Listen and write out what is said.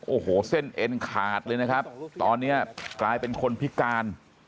โอ้โหเส้นเอ็นขาดเลยนะครับตอนนี้กลายเป็นคนพิการ